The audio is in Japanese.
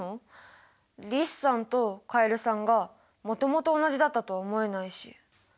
リスさんとカエルさんがもともと同じだったとは思えないし。